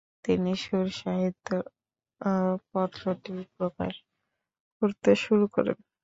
তিনি সুর সাহিত্য পত্রটি প্রকাশ করতে শুরু করেন।